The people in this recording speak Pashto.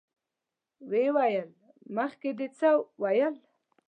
ويې ويل: مخکې دې څه ويل؟